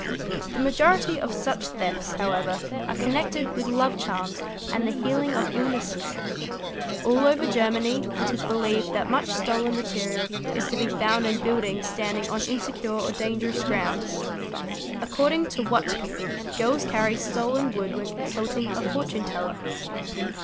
The majority of such thefts however are connected with love charms and the healing of illnesses. All over Germany it is believed that much stolen material is to be found in buildings standing on insecure or dangerous ground"#!®, According to Wuttke "™ girls carry stolen wood when consulting a fortune teller.